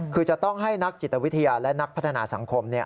คือจะต้องให้นักจิตวิทยาและนักพัฒนาสังคม